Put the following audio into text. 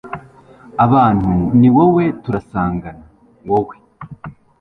abantu, ni wowe turusangana, wowe